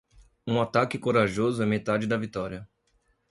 Um ataque corajoso é metade da vitória.